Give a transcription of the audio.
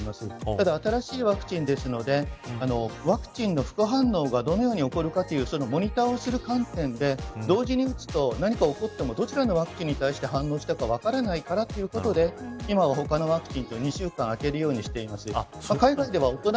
ただ、新しいワクチンですのでワクチンの副反応が、どのように起こるかというモニターをする観点で同時に打つと、何かが起こってもどちらのワクチンに対して反応したか分からないからということで今は他のワクチンと２週間あけるようにしています。